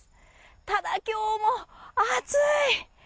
ただ、今日も暑い！